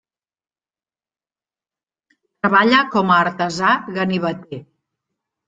Treballa com a artesà ganiveter.